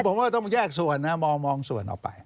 ผมว่าต้องแยกส่วนนะมองส่วนออกไป